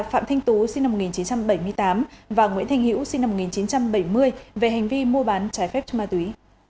phạm thanh tú sinh năm một nghìn chín trăm bảy mươi tám và nguyễn thành hữu sinh năm một nghìn chín trăm bảy mươi về hành vi mua bán trái phép cho ma túy